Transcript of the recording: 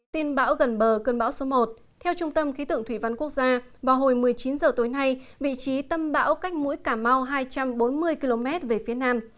tin bão gần bờ cơn bão số một theo trung tâm khí tượng thủy văn quốc gia vào hồi một mươi chín h tối nay vị trí tâm bão cách mũi cà mau hai trăm bốn mươi km về phía nam